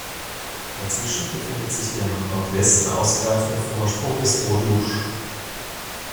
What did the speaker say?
Dazwischen befindet sich der nach Nordwesten ausgreifende Vorsprung des "Bois de l’Ouche".